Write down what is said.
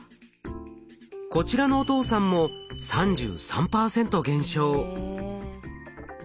こちらのお父さんも３３％減少。